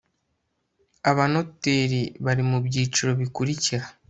abanoteri bari mu byiciro bikurikira